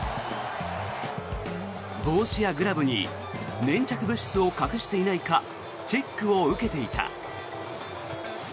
帽子やグラブに粘着物質を隠していないかチェックを受けていた。